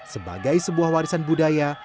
sebagai sebuah warisan budaya